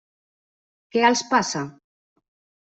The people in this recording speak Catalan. Què els passa?